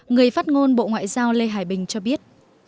người phát ngôn bộ ngoại giao lê hải bình cho biết